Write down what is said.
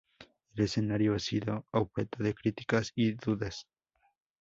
El escenario ha sido objeto de críticas y dudas.